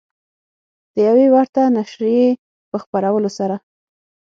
د یوې ورته نشریې په خپرولو سره